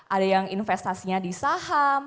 ada yang investasinya di saham